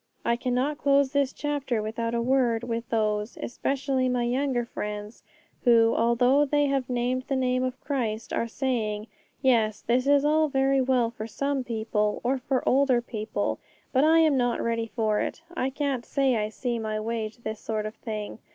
I cannot close this chapter without a word with those, especially my younger friends, who, although they have named the name of Christ, are saying, 'Yes, this is all very well for some people, or for older people, but I am not ready for it; I can't say I see my way to this sort of thing.'